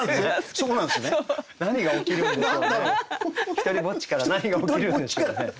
「独りぼつち」から何が起きるんでしょうね。